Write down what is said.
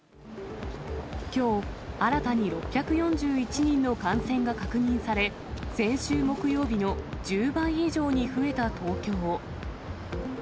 きょう、新たに６４１人の感染が確認され、先週木曜日の１０倍以上に増えた東京。